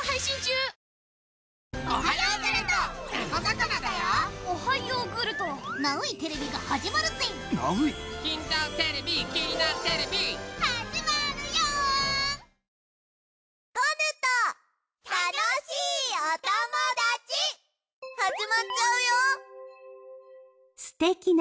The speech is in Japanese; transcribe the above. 始まっちゃうよ。